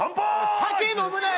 酒飲むなよ！